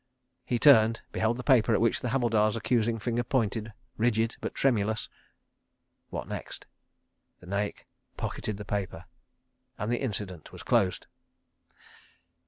He turned, beheld the paper at which the Havildar's accusing finger pointed, rigid but tremulous. ... What next? The Naik pocketed the paper, and the incident was closed.